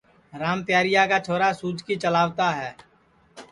رام پیاریا کا چھورا سُوجکی چلاوتا ہے